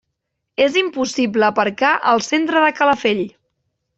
És impossible aparcar al centre de Calafell.